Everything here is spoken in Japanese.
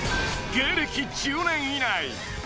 芸歴１０年以内。